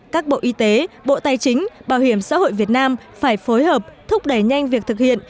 các bộ y tế bộ tài chính bảo hiểm xã hội việt nam phải phối hợp thúc đẩy nhanh việc thực hiện